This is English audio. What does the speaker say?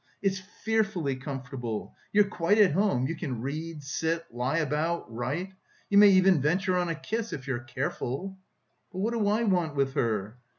It's fearfully comfortable; you're quite at home, you can read, sit, lie about, write. You may even venture on a kiss, if you're careful." "But what do I want with her?"